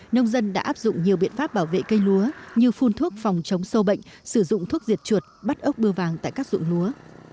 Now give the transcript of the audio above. nông dân đã áp dụng nhiều biện pháp bảo vệ cây lúa như phun thuốc phòng chống sâu bệnh sử dụng thuốc diệt chuột bắt ốc bưa vàng tại các dụng lúa